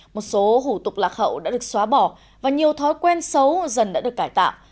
một số hủ tục lạc hậu đã được xóa bỏ và nhiều thói quen xấu dần đã được cải tạo